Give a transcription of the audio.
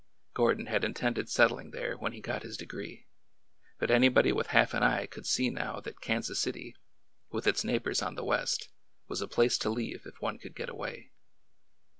Gordon had intended settling there when he got his de gree, but anybody with half an eye could see now that Kansas City, with its neighbors on the west was a place to leave if one could get away.